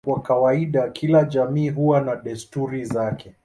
Kwa kawaida kila jamii huwa na desturi zake.